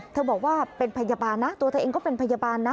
บอกว่าเป็นพยาบาลนะตัวเธอเองก็เป็นพยาบาลนะ